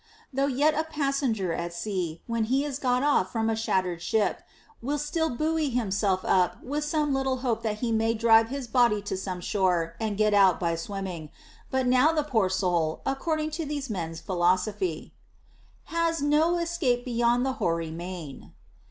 Though yet a passenger at sea, when he is got off from a shattered ship, will still buoy himself up with some little hope that he may drive his body to some shore and get out by swimming ; but now the poor soul, according to these mens philosophy, Has no escape beyond the hoary main.